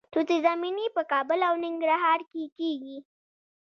توت زمینی په کابل او ننګرهار کې کیږي.